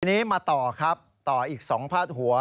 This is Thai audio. ทีนี้มาต่อครับต่ออีก๒พาดหัว